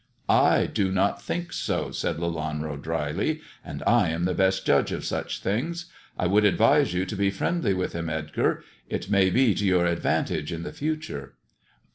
" I do not think so," said Lelanro dryly, " and I am the best judge of such things. I would advise you to be friendly with him, Edgar. It may be to your advantage in the future."